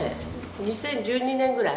２０１２年ぐらい？